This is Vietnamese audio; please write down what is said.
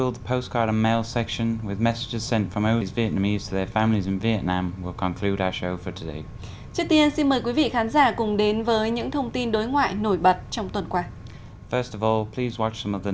trước tiên xin mời quý vị khán giả cùng đến với những thông tin đối ngoại nổi bật trong tuần qua